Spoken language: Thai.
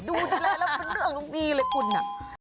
ดูเลยแล้วเป็นเรื่องลุกดีเลยคุณน่ะ